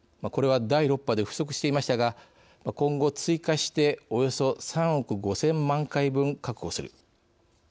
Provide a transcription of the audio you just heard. これは、第６波で不足していましたが今後、追加しておよそ３億５０００万回分確保する。